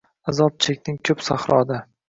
Azob chekding ko’p sahroda